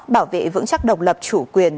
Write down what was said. bảo vệ vững chắc độc lập chủ quyền